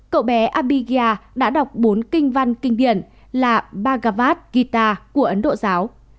cậu bé abhigya đã đọc bốn kinh văn kinh điển là bhagavad gita của ấn độ giáo